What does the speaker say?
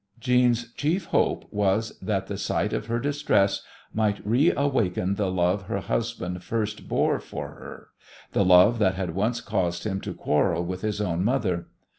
Jeanne's chief hope was that the sight of her distress might reawaken the love her husband first bore for her, the love that had once caused him to quarrel with his own mother.